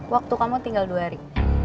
waktu kamu tinggal dua hari